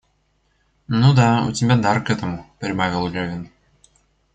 Ну да, у тебя дар к этому, — прибавил Левин.